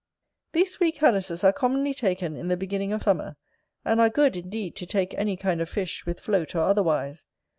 These three cadises are commonly taken in the beginning of summer; and are good, indeed, to take any kind of fish, with float or otherwise.